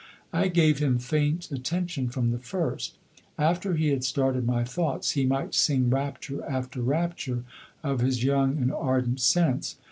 I gave him faint attention from the first. After he had started my thoughts he might sing rapture after rapture of his young and ardent sense.